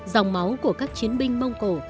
dòng máu của các chiến binh mông cổ